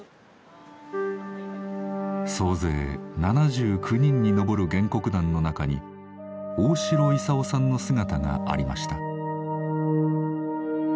総勢７９人に上る原告団の中に大城勲さんの姿がありました。